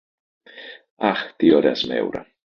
Αχ, τι ωραία σμέουρα!